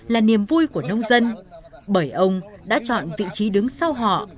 là niềm vui của nông dân bởi ông đã chọn vị trí đứng sau họ